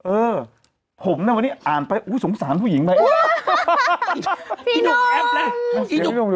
เออผมน่ะวันนี้อ่านไปอุ้ยสงสารผู้หญิงไปพี่นุ่ง